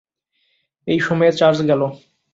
এই সময়ে চার্জ গেল!